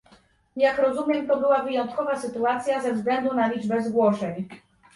Jak rozumiem to była wyjątkowa sytuacja ze względu na liczbę zgłoszeń